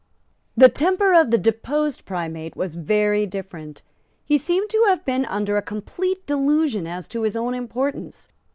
The temper of the deposed primate was very different. He seems to have been under a complete delusion as to his own importance.